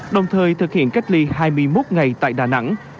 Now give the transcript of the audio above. đồng thời thực hiện cách ly hai mươi một ngày tại đà nẵng